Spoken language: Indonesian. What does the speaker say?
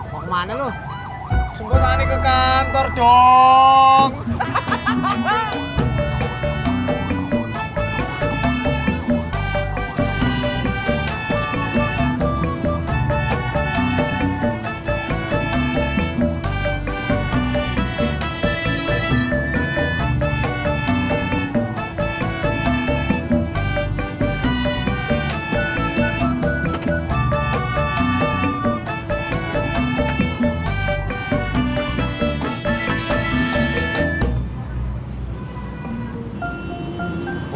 mau kemana lo jemput ani ke kantor dong